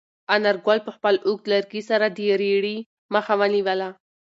انارګل په خپل اوږد لرګي سره د رېړې مخه ونیوله.